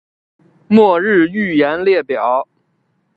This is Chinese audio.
末日预言列表